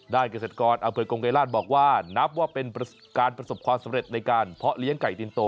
เกษตรกรอำเภอกงไกรราชบอกว่านับว่าเป็นการประสบความสำเร็จในการเพาะเลี้ยงไก่ตินโต